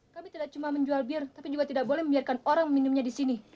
kami tidak cuma menjual bir tapi juga tidak boleh membiarkan orang minumnya disini